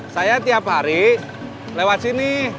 saya tiap hari lewat sini